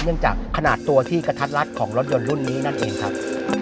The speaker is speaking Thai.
เนื่องจากขนาดตัวที่กระทัดรัดของรถยนต์รุ่นนี้นั่นเองครับ